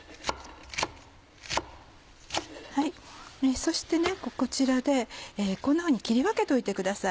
そしてこちらでこんなふうに切り分けといてください。